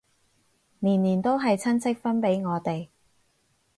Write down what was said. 年年都係親戚分俾我哋